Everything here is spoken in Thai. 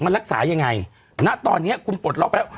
มันรักษายังไงณตอนนี้คุณปลดล็อกแล้ว